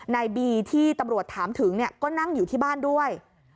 ในบีที่ตำรวจถามถึงก็นั่งอยู่ที่บ้านด้วย